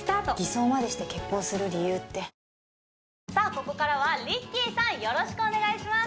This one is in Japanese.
ここからはＲＩＣＫＥＹさんよろしくお願いします